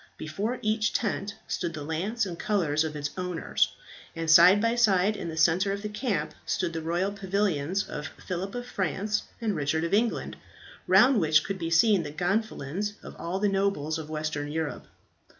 Before each tent stood the lance and colours of its owner, and side by side in the centre of the camp stood the royal pavilions of Phillip of France and Richard of England, round which could be seen the gonfalons of all the nobles of Western Europe.